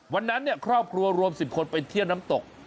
วันนั้นครอบครัวรวม๑๐คนไปเที่ยวน้ำตก